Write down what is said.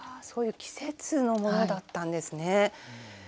そういう季節のものだったんですね。